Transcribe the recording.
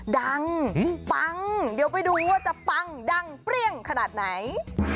ดังปังเดี๋ยวไปดูว่าจะปังดังเปรี้ยงขนาดไหน